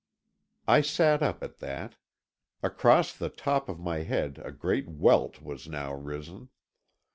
I sat up at that. Across the top of my head a great welt was now risen.